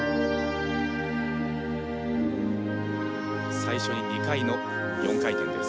最初に２回の４回転です。